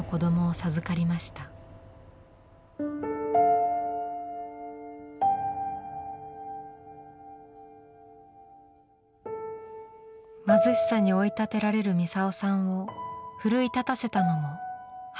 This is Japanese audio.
貧しさに追い立てられるミサオさんを奮い立たせたのも母でした。